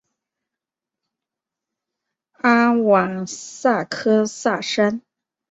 阿瓦萨克萨山。